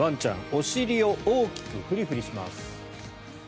お尻を大きくフリフリします。